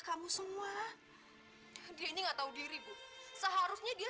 sampai jumpa di video selanjutnya